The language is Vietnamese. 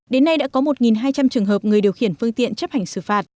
đến nay đã có một hai trăm linh trường hợp người điều khiển phương tiện chấp hành xử phạt